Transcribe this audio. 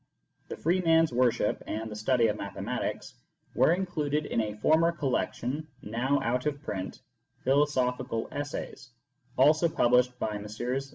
The Free Man s Worship " and " The Study of Mathematics " were included in a former collection (now out of print), Philosophical Essays, also published by Messrs.